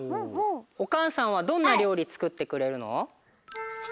おかあさんはどんなりょうりつくってくれるの？